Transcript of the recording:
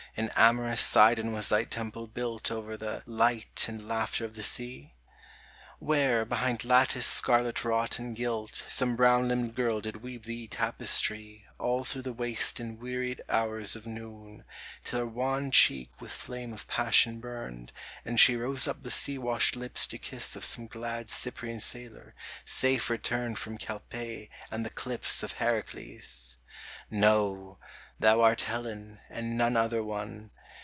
In amorous Sidon was thy temple built Over the light and laughter of the sea ? Where, behind lattice scarlet wrought and gilt, Some brown limbed girl did weave thee tapestry, All through the waste and wearied hours of noon ; Till her wan cheek with flame of passion burned, And she rose up the sea washed lips to kiss Of some glad Cyprian sailor, safe returned From Calpe* and the cliffs of Herakles ! No ! thou art Helen, and none other one